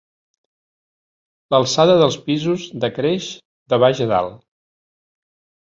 L'alçada dels pisos decreix de baix a dalt.